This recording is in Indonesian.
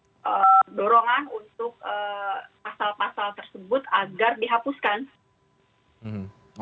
ada dorongan untuk pasal pasal tersebut agar dihapuskan